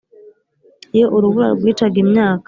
Iyo urubura rwicaga imyaka